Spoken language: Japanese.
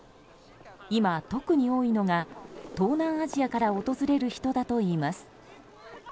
今、特に多いのが東南アジアから訪れる人だといいます。